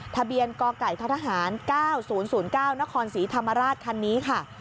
ทะเบียนกไก่ทหาร๙๐๐๙นครศรีธรรมราชคันนี้ค่ะ